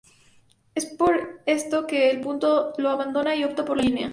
Es por esto que el punto lo abandona y opta por la línea.